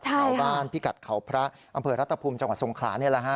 ชาวบ้านพิกัดเขาพระอำเภอรัตภูมิจังหวัดทรงขลานี่แหละฮะ